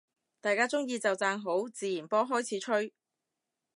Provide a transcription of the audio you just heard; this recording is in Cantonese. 大家鍾意就讚好，自然波開始吹